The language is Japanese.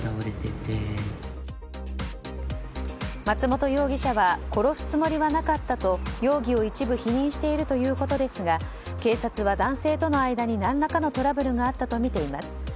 松元容疑者は殺すつもりはなかったと容疑を一部否認しているということですが警察は男性との間に何らかのトラブルがあったとみています。